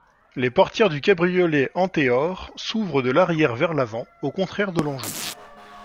Les portières du cabriolet Anthéor s'ouvrent de l'arrière vers l'avant, au contraire de l'Anjou.